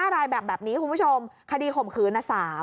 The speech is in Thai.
๕รายแบบนี้คุณผู้ชมคดีข่มขืน